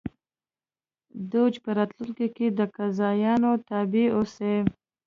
دوج په راتلونکي کې د قاضیانو تابع اوسي